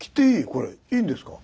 これいいんですか？